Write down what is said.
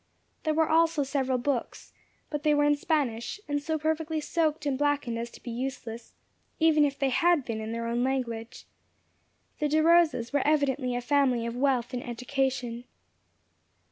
There were also several books, but they were in Spanish, and so perfectly soaked and blackened as to be useless, even had they been in their own language. The De Rosas were evidently a family of wealth and education.